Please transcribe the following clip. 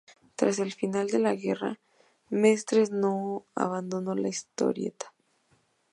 Tras el final de la guerra, Mestres no abandonó la historieta.